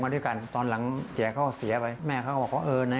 ก็อยู่ร้านอยู่บ้านเค้าครับอยู่ร้านเค้า